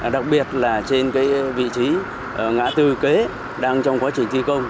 đặc biệt là trên vị trí ngã tư kế đang trong quá trình thi công